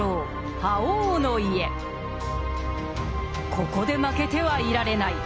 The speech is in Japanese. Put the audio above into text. ここで負けてはいられない。